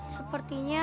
kamu harus menemukan raja